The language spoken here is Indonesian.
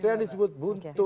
kemudian disebut buntu